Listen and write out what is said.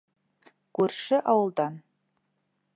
Күрше ауылдан.